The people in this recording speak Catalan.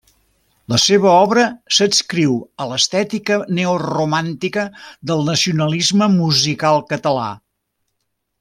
La seva obra s'adscriu a l'estètica neoromàntica del nacionalisme musical català.